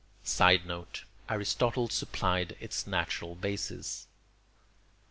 [Sidenote: Aristotle supplied its natural basis.